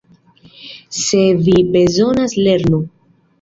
Se vi bezonas lernu.